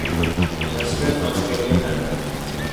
western Australia time